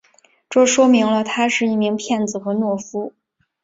这说明了他是一名骗子和懦夫。